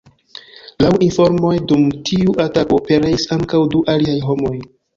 Laŭ informoj dum tiu atako pereis ankaŭ du aliaj homoj.